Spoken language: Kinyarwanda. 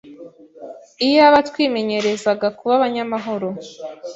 Iyaba twimenyerezaga kuba abanyamahoro,